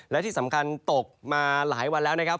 และที่สำคัญตกมาหลายวันแล้วนะครับ